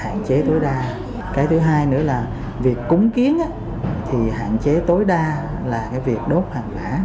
hạn chế tối đa cái thứ hai nữa là việc cúng kiến thì hạn chế tối đa là cái việc đốt hàng quả